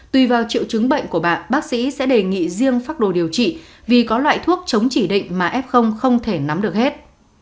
tùy vào triệu chứng bệnh của bạn bác sĩ sẽ đề nghị riêng phác đồ điều trị vì có loại thuốc chống chỉ định mà f không thể nắm được hết